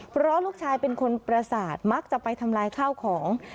เพราะลูกชายเป็นคนประสาทมักจะไปทำลายข้าวของ